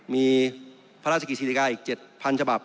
มีพระราชกิจศิริกาอีก๗๐๐ฉบับ